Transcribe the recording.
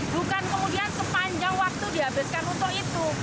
bukan kemudian sepanjang waktu dihabiskan untuk itu